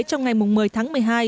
trong ngày một mươi tháng một mươi hai